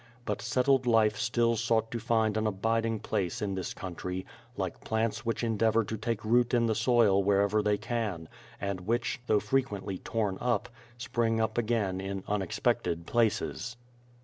But settled life still sought to find an abiding place in this country, like plants which endeavor to take root in the soil wherever they can, and which, though frequently torn up, spring up again in unexpected places.